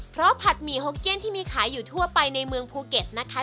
เพราะผัดหมี่โฮกเก้นที่มีขายอยู่ทั่วไปในเมืองภูเก็ตนะคะ